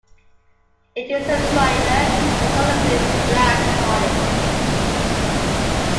It is a private, historically black college.